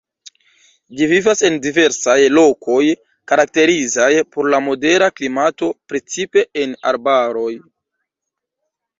Ĝi vivas en diversaj lokoj karakterizaj por la modera klimato, precipe en arbaroj.